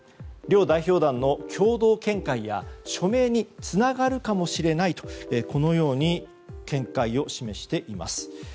両代表団の共同見解や署名につながるかもしれないと見解を示しています。